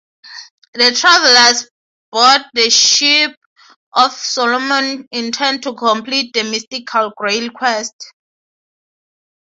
The travellers board the Ship of Solomon, intent to complete the mystical Grail quest.